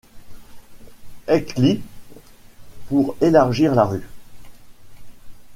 Heckly pour élargir la rue.